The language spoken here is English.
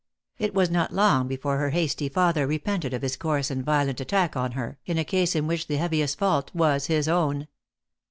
It was not long before her hasty father repented of his coarse and violent ^attack on her, in a case in which the heaviest fault was his own.